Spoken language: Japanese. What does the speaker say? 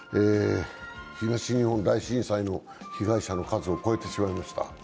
東日本大震災の被害者の数を超えてしまいました。